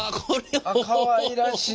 かわいらしい。